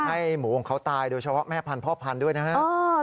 ให้หมูของเขาตายโดยเฉพาะแม่พันธพ่อพันธุ์ด้วยนะครับ